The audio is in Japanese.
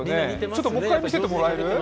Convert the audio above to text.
ちょっともう一回見せてもらえる？